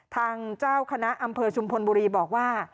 ทางเจ้าคณะอำเภอชุมพลบุรีบอกว่า